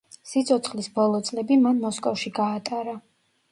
სიცოცხლის ბოლო წლები მან მოსკოვში გაატარა.